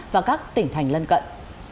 và các tỉnh thành lân cận